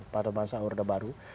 pada masa urde baru